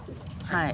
はい。